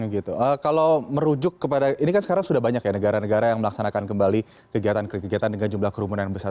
kalau merujuk kepada ini kan sekarang sudah banyak ya negara negara yang melaksanakan kembali kegiatan kegiatan dengan jumlah kerumunan yang besar